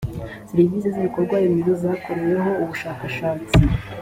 serivisi z ibikorwaremezo zakoreweho ubushakashatsi